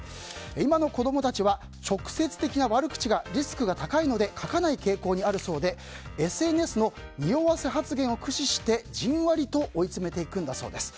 今の子供たちは直接的な悪口がリスクが高いので書かない傾向にあるそうでＳＮＳのにおわせ発言を駆使してじんわりと追い詰めていくんだそうです。